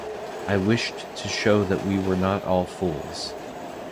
I wished to show that we were not all fools.